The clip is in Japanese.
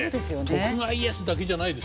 徳川家康だけじゃないですよ。